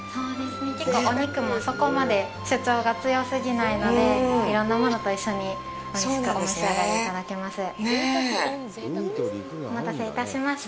結構、お肉もそこまで主張が強すぎないので、いろんなものと一緒にお召し上がりいただけます。